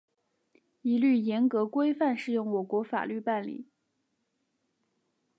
一律严格、规范适用我国法律办理